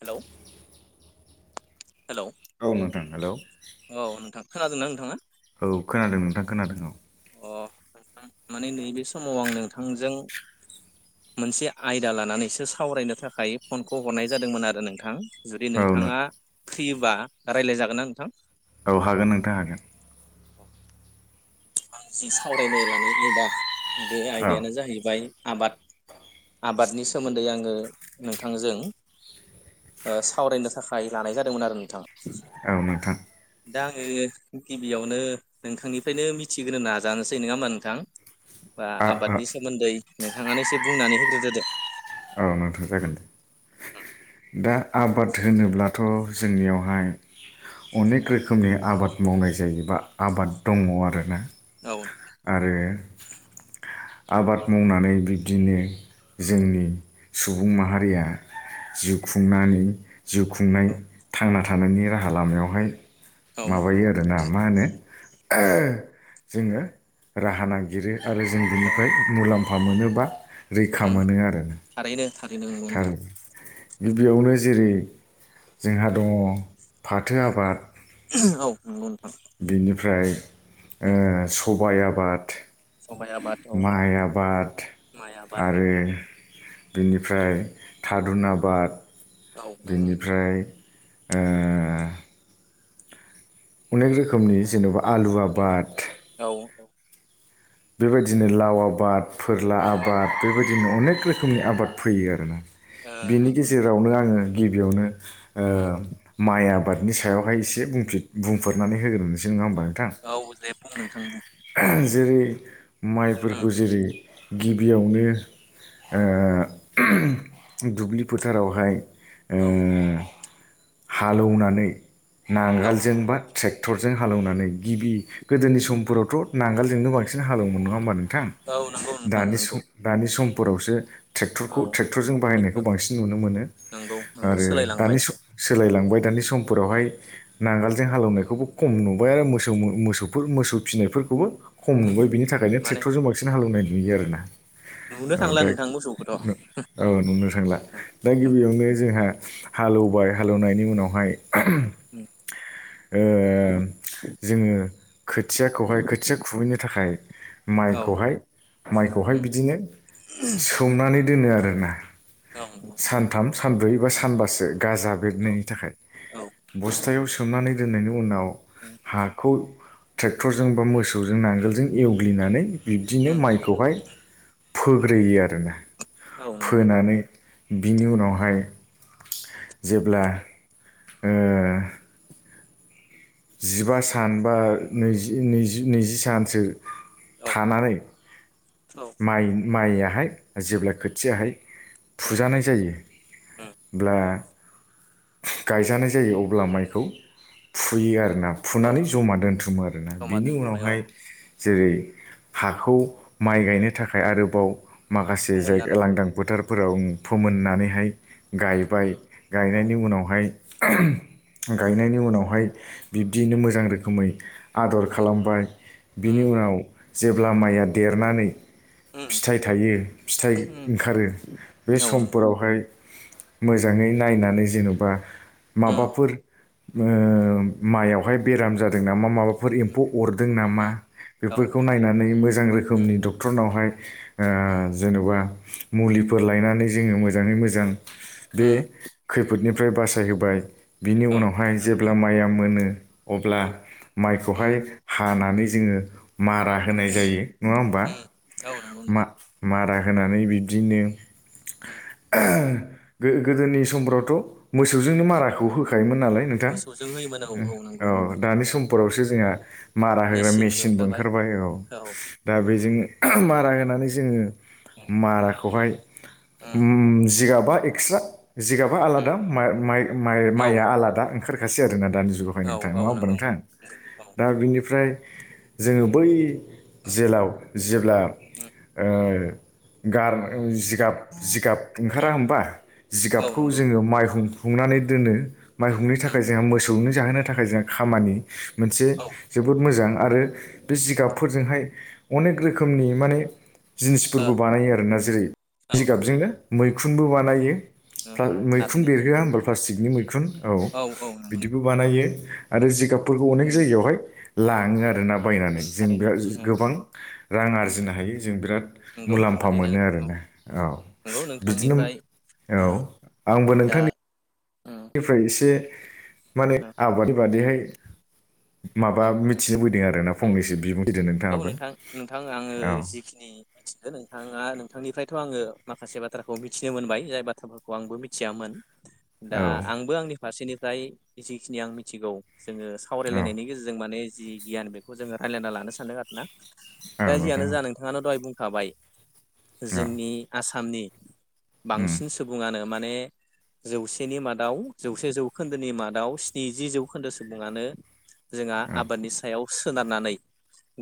Hello hello औ नोंथां hello औ नोंथां खोनादोंना नोंथाङा औ खोनादों नोंथां खोनादों औ अ आं माने नैबे समाव आं नोंथांजों मोनसे आयदा लानानैसो सावरायनो थाखाय फनखौ हरनाय जादोंमोन आरो नोंथां। जुदि औ औ नों नोंथाङा प्रिबा राय्जाय जागोन ना नोंथां? औ हागोन नोंथां हागोन। आ जि सावरायनो लानाय आयदा बे औ आयदायानो जाहैबाय आबाद आबादनि सोमोन्दै आङो नोंथांजों सावरायनो थाखाय लानाय जादोंमोन आरो नोंथां औ नोंथां दा आङो गिबियावनो नोंथांनिफ्रायनो मिथिग्रो नाजानोसै नङा होमा नोंथां बा आ आ आबादनि सोमोन्दै नोंथाङानो एसे बुंनानै होग्रोदोदो औ नोंथां जागोन दे उम दा आबाद होनोब्लाथ' जोंनियावहाय अनेक रोखोमनि आबाद मावनाय जायोबा आबाद दङ आरोना औ आरो आबाद मावनानै बिब्दिनो जोंनि सुबुं माहारिया जिउ खुंनानै जिउ खुंनाय औ थांना थानायनि राहा लामायावहाय औ माबायो आरोना मा होनो जोङो राहा नागिरो आरो जों ओ बिनिफ्राय मुलाम्फा मुफा मोनोबा रैखा उम मोनो आरो ना थारैनो थारैनो नोंगौ नोंथां। गिबियावनो जेरै जोंहा दङ फाथो आबाद औ बिनिफ्राय उम सबाइ आबाद सबाइ आबाद औ माइ आबाद माइ आबाद आरो बिनिफ्राय थारुन आबाद औ नंगौ नोंथां बिनिफ्राय ओ अनेक रोखोमनि जेन'बा आलु उम आबाद औ औ बेबायदिनो लाव आबाद फोरला आबाद बेबायदिनो अनेक रोखोमनि आबाद फोयो आरोना ओ बिनि नंगौ नोंथां गेजेरावनो आङो गिबियावनो ओ उम माइ आबादनि सायावहाय एसे बुंफिर बुंफोरनानै होग्रोनोसै नङा होमबा नोंथां औ दे बुं नोंथां बुं जेरै उम माइफोरखौ जेरै गिबियावनो ओ दुब्लि फोथारावहाय औ हालेवनानै औ नांगोलजोंबा ट्रेक्टरजों हालेवनानै गिबि गोदोनि समफोरावथ' नांगोलजोंनो बांसिन हालेवनाय नङा होनोमबा नो थां औ नंगौ नोंथां दानि नंगौ सम दानि समफोरावसो ट्रेक्टरखौ औ ट्रेक्टरजों बाहायनायखौ ट्रेक्टर बांसिन नुनो मोनो नंगौ नंगौ आरो सोलायलांबाय दानि सोलायलांबाय दानि उम समफोरावहाय नांगोल जों हालौवनायखौबो खम नुबाय आरो मोसौ मोसौफोर मोसौ फिसिनायफोरखौबो खम उम नुबाय बिनि थाखायनो माने ट्रेक्टरजों बांसिन हालवनाय नुयो आरोना नुनो औ थांला दाय नोंथां मोसौखौथ' औ नो औ नुनो थांला दा गिबियावनो जोंहा हालौवबाय हालौवनायनि उनावहाय उम [unintelligible] ओ जोङो खोथियाखौहाय खोथिया खुबैनो थाखाय औ माइखौहाय माइखौहाय उम बिदिनो सोमनानै दोनो आरोना औ नंगौ नोंथां सानथाम सानब्रै बा सानबासो गाजा औ बेरनायनि थाखाय औ बस्थायाव सोमनानै दोननायनि उनाव उम हाखौ ट्रेक्टरजों बा मोसौजों नांगोलजों एवग्लिनानै बिब्दिनो उम माइखौहाय फोग्रोयो आरोना औ नंगौ नोंथां फोनानै बिनि उनावहाय जेब्ला ओ जिबा सान बा नैजि नैजि नैजि सानसो औ थानानै औ माइ माइयाहाय जेब्ला खोथियाहाय उम फुजानाय जायो उम ब्ला गायजानाय जायो अब्ला माइखौ फुयो आरो ना औ फुनानै फुयो जमा दोन्थुमो आरोना जमा बिनि दोनथुमबाय उनावहाय अ जेरै हाखौ माइ गायनो थाखाय आरोबाव माखासे जायगा फोमोननानै लांदां फोथारफोराव फोमोननानैहाय गायबाय औ गायनाय माय गायनायनि उनावहाय बिब्दियैनो मोजां रोखोमै आदर खालामबाय बिनि उनाव जेब्ला माइया देरनानै फिथाइ थायो फिथाइ ओंखारो बे औ नंगौ समफोरावहाय मोजाङै नायनानै जेन'बा माबाफोर ओ माइआवहाय बेराम जादों नामा माबाफोर एम्फौ अरदों नामा औ बेफोरखौ नायनानै मोजां रोखोमनि डक्टरनावहाय ओ जेन'बा मुलिफोर लायनानै जोङो मोजाङै मोजां बे खैफोदनिफ्राय बासायहोबाय बिनि उनावहाय जेब्ला माया मोनो अब्ला माइखौहाय हानानै जोङो मारा होनाय जायो नङा होमबा औ नंगौ मा नोंथां मारा होनानै बिबदिनो गो गोदोनि समफ्राव थ' मोसौजोंनो माराखौ होखायोमोन नालाय नोंथां मोसौजों होयोमोन औ नंगौ औ नोंथां दानि समफोरावसो जोंहा मारा होग्रा मेसिनबो ओंखारबाय औ दा बेजों मारा होनानै जोङो माराखौहाय जिगाबा एक्सर्था आलादा औ माइआ आलादा ओंखारखासै आरोना दानि जुगावहाय नोंथां नङा औ हमबा नंगौ नोंथां औ दा बिनिफ्राय जोङो बै जेलाव जेब्ला गारनो जिगाब जिगाब ओंखारा होमबा औ जिगाबखौ नंगौ जोङो माइ हुं हुंनानै दोनो माइ हुंनो थाखाय जोंहा मोसौनो जाहोनो थाखाय जों खामानि मोनसे औ जोबोद मोजां आरो बे जिगाबफोरजोंहाय अनेक रोखोमनि माने जिनिसफोरबो बानायो आरोना जेरै जिगाबजोंनो मैखुनबो बानायो मैखुन थारैनो बेरहोआ होनोब्ला प्लास्टिकनि मैखुन औ औ नंगौ बिदिबो बानायो आरो जिगाब फोरखौ अनेक जायगायावहाय लाङो आरोना बायनानै जों बे थारैनो गोबां रां आरजिनो हायो जों बिराद नंगौ मुलाम्फा थारैनो मोनो आरोना औ नंगौ बिदिनो नोंथांनिफ्राय औ दा आंबो नोंथांनि उम माने आबादनि बादिहाय माबा उम मिथिनो फैदों आरोना औ फंनैसो बिबदों औ नोंथां नोंथां आङो जिखिनि मिथिगो नोंथाङा नोंथांनिफ्रायथ' आङो माखासे बाथ्राखौ मिथिनो मोनबाय जाय बाथ्राफोरखौ आंबो मिथियामोन दा औ आंबो आंनि फारसेनिफ्राय जिखिनि आं मिथिगौ जोङो औ सावरायलायनायनि गेजेरजों माने जि गियान बेखौ जोङो रायज्लायना लानो सानदों आरो ना औ दा जियानो नोंथां औ जा नोंथाङानो दहाय बुं होनखाबाय औ जोंनि आसामनि उम, बांसिन सुबुङानो माने जौसेनि मादाव जौसे जौखोन्दोनि मादाव स्निजि जौखोन्दो सुबुङानो जोंहा औ आबादनि सायाव सोनारनानै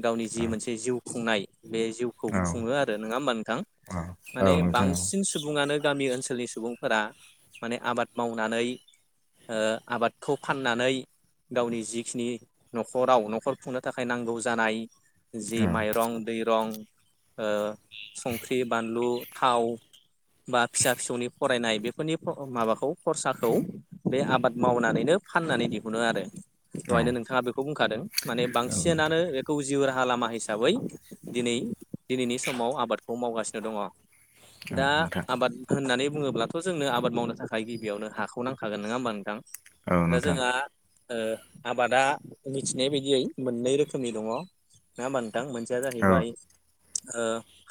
गावनि जि औ मोनसे जिउ खुंनाय बे जिउखौ औ खुङो आरो नङा होमबा नोंथां औ औ माने नोंथां बांसिन सुबुङानो गामि ओनसोल ओनसोलनि सुबुंफोरा माने आबाद मावनानै आबादखौ फाननानै गावनि जिखिनि न'खराव न'खर खुंनो थाखाय नांगौ जानाय औ जि माइरं दैरं संख्रि बानलु थाव बा फिसा फिसौनि फरायनाय बेफोरनि माबाखौ खरसाखौ बे आबाद मावनानैनो फाननानै दिहुनो आरो औ बेहायनो नोंथाङा बेखौ बुंखादों माने औ बांसिनानो बेखौ जिउ राहा लामा हिसाबै दिनै दिनैनि समाव आबादखौ मावगासिनो दङ दा नोंथां आबाद होननानै बुङोब्लाथ' जोंनो आबाद मावनो थाखाय गिबियावनो हाखौ नांखागोन नङा होमबा नोंथां औ दा नोंथां जोंहा आबादा मिथिनाय बायदियै मोननै रोखोमनि दङ नङा होमबा नों नोंथां नोंथां मोनसेया औ जाहैबाय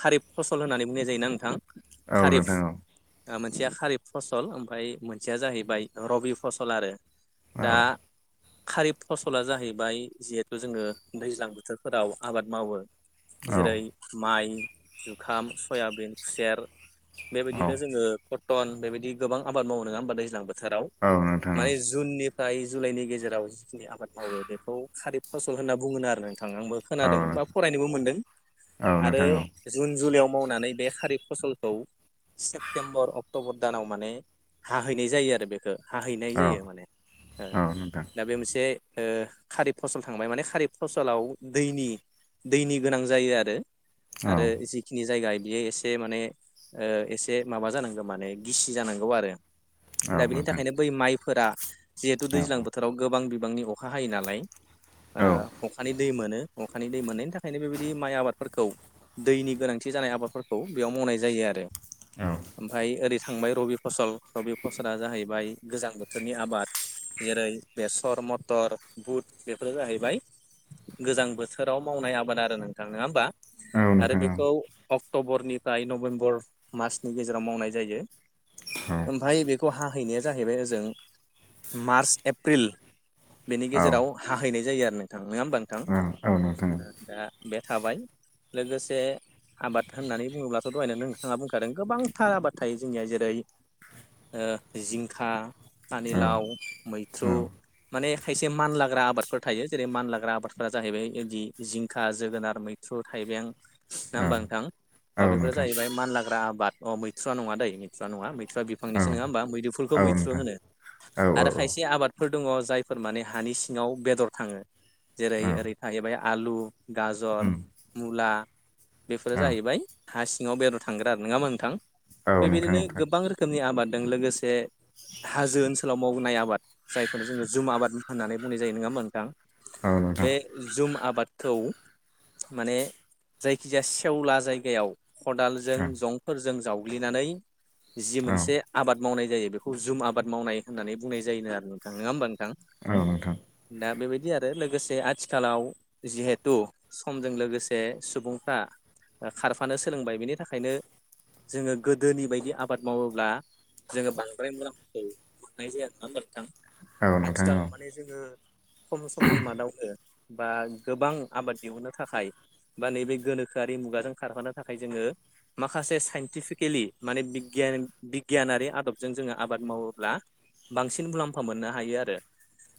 खारिब फसल होननानै बुंनाय जायोना नोंथां औ खारिब नोंथां औ मोनसेया खारिब फसल ओमफ्राय मोनसेया जाहैबाय रबि फसल आरो औ दा खारिब फसला जाहैबाय जिहेथु जोङो दैज्लां बोथोरफोराव आबाद मावो औ जेरै माइ जुखाम सयाबिन खुसेर बेबायदिनो जोङो कटन बेबायदि गोबां आबाद मावनो नङा होमबा दैज्लां बोथोराव औ नोंथां माने जुननि नि जुलाइनि गेजेराव जिखिनि आबाद मावो बेखौ खारिब फसल होनना बुङोन आरो नों नंगौ आंबो औ खोनादों बा फरायनोबो मोनदों औ नोंथां औ आरो नोंथां जुन जुलाइयाव मावनानै बे खारि फसलखौ सेप्तेम्बर अक्ट'बर दानाव माने हाहैनाय जायो आरो बेखौ हाहैनाय औ जायो माने औ नोंथां दा बे मोनसे खारिब फसल थांबाय माने खारिब ससालाव दैनि दैनि गोनां जायो आरो औ आरो जिखिनि जायगा बियो एसे माने एसे माबा जानांगौ माने गिसि जानांगौ आरो औ दा नोंथां औ नोंथां औ बिनि नोंथां औ नोंथां थाखायनो बै माइफोरा जिहेतु औ औ दैज्लां औ उम बोथोराव गोबां बिबांनि अखा हायो नालाय अखानि दै मोनो अखानि दै मोननायनि थाखायनो बेबायदि माइ आबादफोरखौ दैनि गोनांथि जानाय आबादफोरखौ बेयाव मावनाय जायो आरो ओमफाय ओरै थांबाय रबि फसल रबि फसला जाहैबाय गोजां बोथोरनि आबाद जेरै बेसर मटर बुट बेफोरो जाहैबाय गोजां बोथोराव मावनाय आबाद आरो नोंथां नंङा होमबा आरो बेखौ अक्ट'बरनिफ्राय नभेम्बर मासनि गेजेराव मावनाय जायो। ओमफ्राय बेखौ हाहैनाया जाहैबाय ओजों मार्च एप्रिल बेनि गेजेराव हाहैनाय जायो आरो नोंथां नङा होमबा नोंथां औ दा बे थाबाय लोगोसे आबाद होननानै बुंङोब्लाथ' दहायनो नोंथाङा बुंखादों गोबांथार आबाद थायो जोंनिया जेरै जिंखा पानिलाव मैथ्रु माने खायसे मानलाग्रा आबादफोर थायो। जेरै मानलाग्रा आबादफोरा जाहैबाय बिदि जिंखा जोगोनार मैथ्रु थाइबें नंङा होमबा नोंथां अ बेफोर नोंथां जाहैबाय मानलाग्रा आबाद अ मैथ्रुवा नङा दै मैथ्रु नङा मैथ्रु मैथ्रु बिफांनिसो नङा होमबा मैदुफुलखौ मैथ्रु होनो आरो खायसे आबाद फोर दंङो जायफोर माने हानि सिङाव बेदर थांङो जेरै ओरै थाहैबाय आलु गाजर मुला बेफोरो जाहैबाय हा सिङाव बेराव थांग्रा आरो नंङामोन नोंथां बेबायदिनो गोबां रोखोमनि आबादजों लोगोसे हाजो ओनसोलाव मावनाय आबाद जायखौनो जोंङो जुमा आबाद होननानै बुंनाय जायो नंङा होमा नोंथां औ नोंथां बे जुम आबादखौ माने जायखिजाया सेवला जायगायाव खदालजों जंफोरजों जावग्लिनानै जि औ मोनसे औ आबाद मावनाय जायो बेखौ जुम आबाद मावनाय होननानै बुंनाय जायोनो आरो नोंथां नंङा होमबानो औ नोंथां दा बेबायदि आरो लोगोसे आथिखालाव जिहेथु समजों लोगोसे सुबुंफ्रा खारफानो सोलोंबाय बिनि थाखायनो जोंङो गोदोनि बायदि आबाद मावोब्ला जोंङो बांद्राय मुलामफाखौ मोननाय जाया आरना होनबा नोंथां औ नोंथां औ आथिखालाव माने जोंङो सम बा गोबां आबाद दिहुननो थाखाय बा नैबे गोनोखोआि मुगाजों खारहानो थाखाय जोङो माखासे साइन्टिफिकेलि माने बिगियान बिगियानारि आदबजों जोंङो आबाद मावोब्ला बांसिन मुलाम्फा मोननो हायो आरो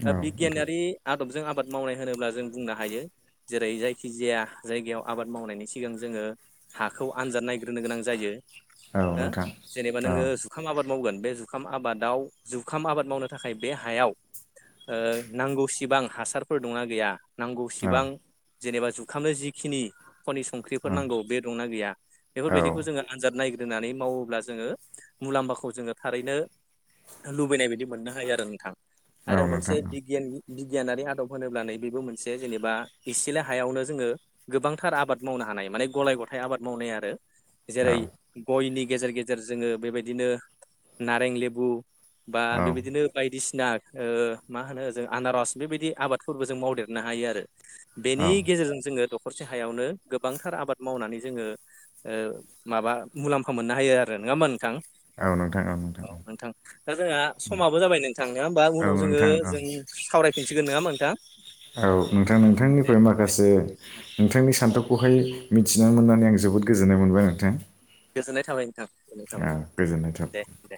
औ नोंथां बिगियानारि आदबजों आबाद मावनाय होनोब्ला जों बुंनो हायो जेरै जायखि जाया जायगायाव आबाद मावनायनि सिगां जोंङो हाखौ आनजाद नायग्रोनो गोनां जायो। औ हो नोंथां जेनेबा औ नोंङो जुखाम आबाद मावगोन बे जुख आबाद जुखाम आबाद मावनो थाखाय बे हायाव ओ नांगौ सिबां हासारफोर दंना गैया औ नांगौसिबां जेनेबा जुखामनाय जिखिनि खनि संख्रिफोर नांगौ बे दंना गैया औ बेफोरबायदिखौ जोंङो आनजाद नागोरो नानै मावोब्ला जोंङो मुलाम्फाखौ जोङो थारैनो लुबैनाय बायदि मोननो हायो आरो नोंथां औ आरो मोनसे नोंथां औ बिगियाननि बिगियानारि आदब होनोब्लानो बेबो मोनसे जेनेबा एसेलाय हायावनो जोंङो गोबांथार आबाद मावनो हायो। हानाय माने गलाय गथाइ आबाद मावनाय आरो औ जेरै गयनि गेजेर गेजेर जोंङो बेबायदिनो नारें लेबु बा औ बेबायदिनो बायदिसिना मा होनो जों। आनारस बेबायदि आबादफोरबो जों मावदेरनो हायो आरो बेनि औ गेजेरजों जोंङो दख' दसे हायावनो गोबांथार आबाद मावनानै जोङो माबा मुलाम्फा मोननो हायो आरो ना नङा होनबा नोंथां। औ नोंथां दा जोंहा समाबो जाबाय नोंथां नङा होमबा नोंथां औ उनाव जोङो जों। सावरायफिनगोन नङा होनबा नोंथां। औ नोंथां दे नोंथांनिफ्राय दे माखासे नोंथांनि सान्थौखौहाय। मिथिनानै मोननानै आं जोबोद गोजोननाय मोनबाय नोंथां। गोजोननाय थाबाय नोंथां गोजोननाय थाबाय गोजोननाय दे थाबाय। दे